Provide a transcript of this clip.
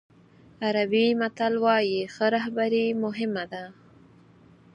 عربي متل وایي ښه رهبري مهم ده.